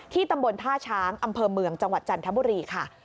ตำบลท่าช้างอำเภอเมืองจังหวัดจันทบุรีค่ะ